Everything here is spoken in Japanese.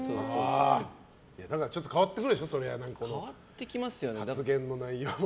ちょっと変わってくるでしょ発言の内容も。